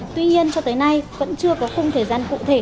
tuy nhiên cho tới nay vẫn chưa có khung thời gian cụ thể